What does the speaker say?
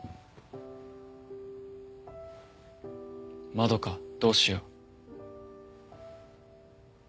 まどかどうしよう。